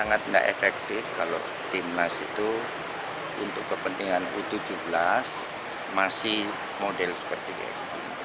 sangat tidak efektif kalau timnas itu untuk kepentingan u tujuh belas masih model seperti ini